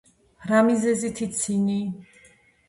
რა მიზეზით იცინი